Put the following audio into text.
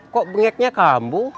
kok bengeknya kamu